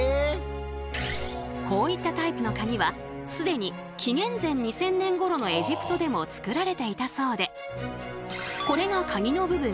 こういったタイプの鍵は既に紀元前２０００年ごろのエジプトでも作られていたそうでこれが鍵の部分。